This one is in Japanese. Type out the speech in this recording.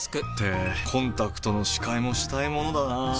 ってコンタクトの視界もしたいものだなぁ。